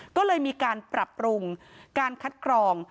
ก็เลยมีการปรับปรุงการคัดกรอง